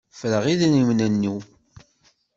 Ffreɣ idrimen-inu.